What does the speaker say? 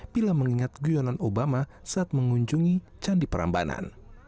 bila mengingat guyonan obama saat mengunjungi candi prambanan